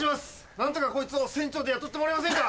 何とかこいつを船長で雇ってもらえませんか？